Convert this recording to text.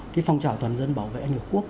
cái phong trào toàn dân bảo vệ nước quốc